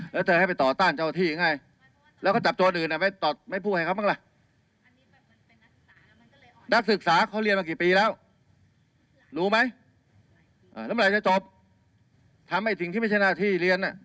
รู้ไหมเอ่อนี่จะจบทำแต่สิ่งที่ไม่ชนะที่เรียนน่ะ